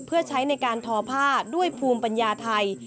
เพื่อใช้ในการทอผ้าด้วยภูมิปัญญาไทย